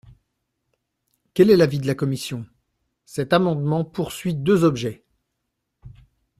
Quel est l’avis de la commission ? Cet amendement poursuit deux objets.